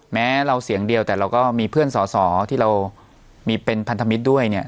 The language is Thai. แม้เราเสียงเดียวแต่เราก็มีเพื่อนสอสอที่เรามีเป็นพันธมิตรด้วยเนี่ย